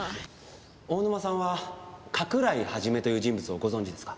大沼さんは加倉井肇という人物をご存じですか？